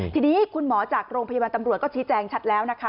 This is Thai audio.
ทีนี้คุณหมอจากโรงพยาบาลตำรวจก็ชี้แจงชัดแล้วนะคะ